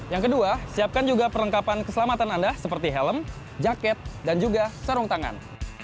yang kedua siapkan juga perlengkapan keselamatan anda seperti helm jaket dan juga sarung tangan